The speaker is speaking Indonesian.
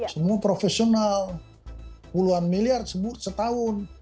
semua profesional puluhan miliar sebut setahun